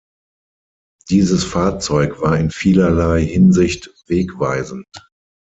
Dieses Fahrzeug war in vielerlei Hinsicht wegweisend.